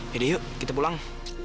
yaudah yuk kita pulang